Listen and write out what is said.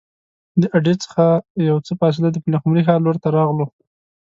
د اډې څخه یو څه فاصله د پلخمري ښار لور ته راغلو.